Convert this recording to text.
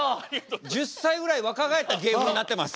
１０歳ぐらい若返った芸風になってます。